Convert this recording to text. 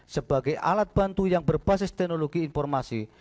sebagai alat bantu yang berbasis teknologi informasi